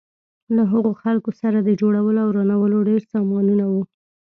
له هغو خلکو سره د جوړولو او ورانولو ډېر سامانونه وو.